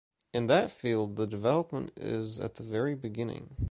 In that field the development is at the very beginning.